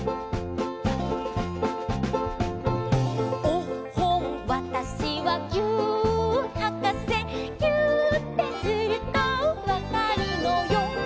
「おっほんわたしはぎゅーっはかせ」「ぎゅーってするとわかるのよ」